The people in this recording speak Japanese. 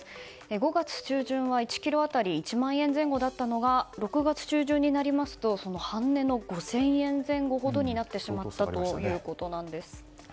５月中旬は１ｋｇ当たり１万円前後だったのが６月中旬になりますとその半値の５０００円前後ほどになってしまったということです。